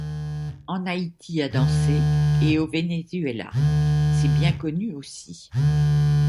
En Haïti a dansé et au Venezuela, c'est bien connu aussi.